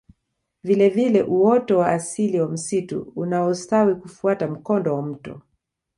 Vile vile uoto wa asili wa msitu unaostawi kufuata mkondo wa mto